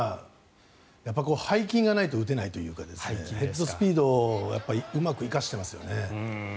背筋がないと打てないというかヘッドスピードをうまく生かしていますよね。